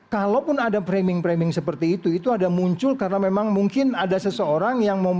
kalaupun ada framing framing seperti itu itu ada muncul karena memang mungkin ada seseorang yang mau